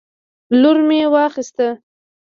لور مې واخیست